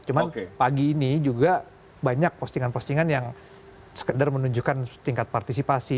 cuman pagi ini juga banyak postingan postingan yang sekedar menunjukkan tingkat partisipasi